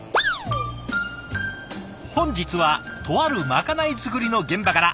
本日はとあるまかない作りの現場から。